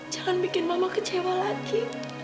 jangan bikin mama kecewa lagi